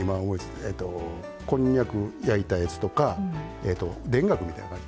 こんにゃく焼いたやつとか田楽みたいな感じ。